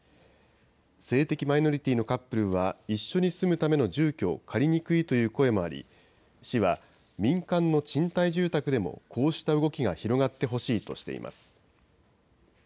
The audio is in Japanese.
性的マイノリティーのカップルは一緒に住むための住居を借りにくいという声もあり、市は民間の賃貸住宅でも、こうした動きが広がってほしいとしています。